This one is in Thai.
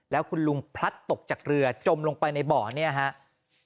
แล้วคุณลุงพลัดตกจากเรือจมลงไปในบ่อเนี่ยครับ